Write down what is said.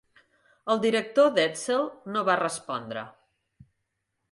El director d'Edsel no va respondre.